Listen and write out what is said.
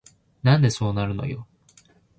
なんでそうなるのよ